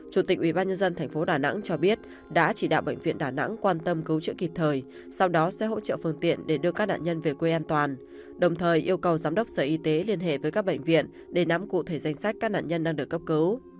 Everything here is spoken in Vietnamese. chủ tịch ubnd tp đà nẵng cho biết đã chỉ đạo bệnh viện đà nẵng quan tâm cứu trợ kịp thời sau đó sẽ hỗ trợ phương tiện để đưa các nạn nhân về quê an toàn đồng thời yêu cầu giám đốc sở y tế liên hệ với các bệnh viện để nắm cụ thể danh sách các nạn nhân đang được cấp cứu